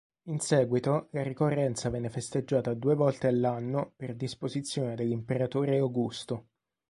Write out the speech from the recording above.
In seguito la ricorrenza venne festeggiata due volte all'anno per disposizione dell'Imperatore Augusto.